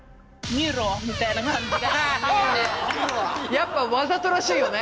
やっぱわざとらしいよね。